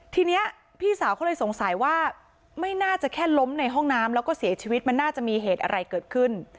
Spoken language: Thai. ทีนี้พี่สาวเขาเลยสงสัยว่าไม่น่าจะแค่ล้มในห้องน้ำแล้วก็เสียชีวิตมันน่าจะมีเหตุอะไรเกิดขึ้น